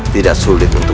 mas rara santa